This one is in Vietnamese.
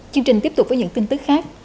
chương trình tiếp tục với những tin tức khác